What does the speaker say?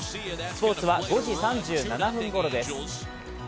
スポーツは５時３７分ごろです。